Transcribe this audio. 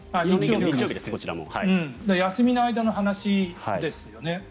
休みの間の話ですよね。